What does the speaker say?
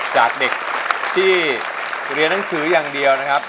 จากเด็กที่เรียนหนังสืออย่างเดียวนะครับ